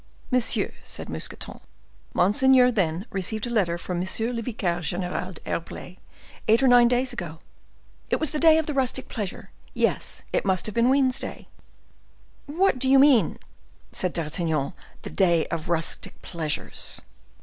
"Monsieur," said Mousqueton, "monseigneur, then, received a letter from M. le Vicaire General d'Herblay, eight or nine days ago; it was the day of the rustic pleasures, yes, it must have been Wednesday." "What do you mean?" said D'Artagnan. "The day of rustic pleasures?"